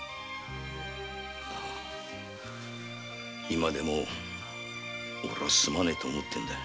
今でもオレは「すまねぇ」と思っているんだ。